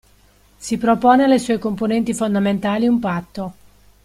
Si propone alle sue componenti fondamentali un patto.